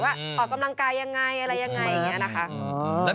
ออกกำลังกายยังไงอะไรยังไงอย่างนี้นะคะ